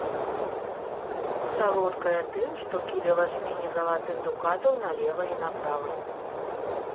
Салодкая тым, што кідала жмені залатых дукатаў налева і направа.